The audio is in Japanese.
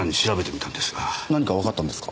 何かわかったんですか？